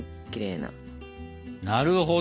なるほど。